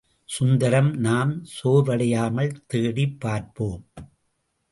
சுந்தரம், நாம் சோர்வடையாமல் தேடிப் பார்ப்போம்.